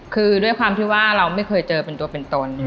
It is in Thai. คือด้วยความที่ว่าเราไม่เคยเจอเป็นตัวเป็นตน